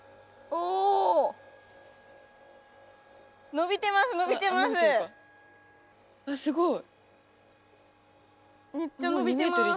おすごい。